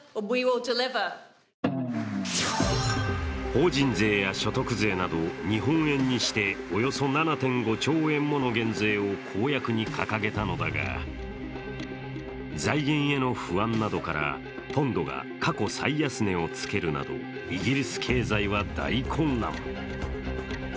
法人税や所得税など日本円にして、およそ７．５兆円もの減税を公約に掲げたのだが、財源への不安などからポンドが過去最安値をつけるなどイギリス経済は大混乱。